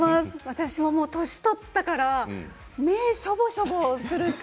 私も年を取ってから目がしょぼしょぼするし。